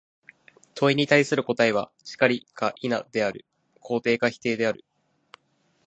問に対する答は、「然り」か「否」である、肯定か否定である。